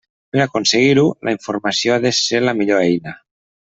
Per a aconseguir-ho, la informació ha de ser la millor eina.